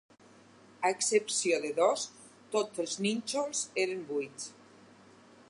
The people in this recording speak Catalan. A excepció de dos, tots els nínxols eren buits.